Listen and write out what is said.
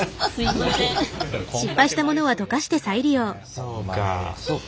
そうか。